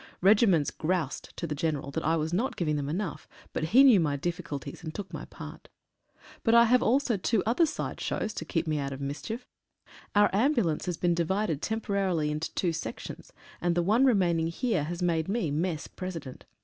Regiments "groused" to the General that I was not giving them enough, but he knew my difficulties, and took my part. But I have also two other side shows to keep me out of mischief. Our ambulance has been divided temporarily into two sections, and the one re maining here made me Mess President.